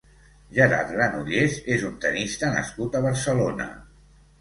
Gerard Granollers és un tennista nascut a Barcelona.